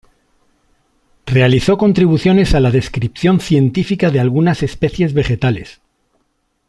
Realizó contribuciones a la descripción científica de algunas especies vegetales.